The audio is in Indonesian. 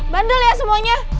bandel ya semuanya